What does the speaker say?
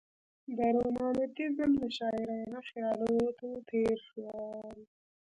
د رومانتیزم له شاعرانه خیالاتو تېر شول.